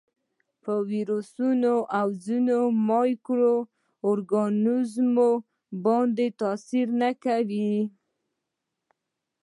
په ویروسونو او ځینو مایکرو ارګانیزمونو باندې تاثیر نه کوي.